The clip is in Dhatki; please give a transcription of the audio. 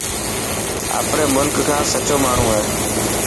آپري ملڪ کان سچو ماڻهو هي.